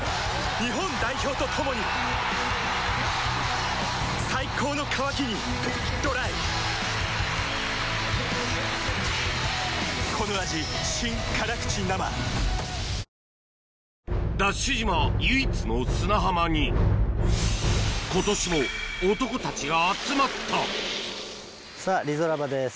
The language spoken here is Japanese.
日本代表と共に最高の渇きにＤＲＹＤＡＳＨ島唯一の砂浜に今年も男たちが集まったさぁリゾラバです。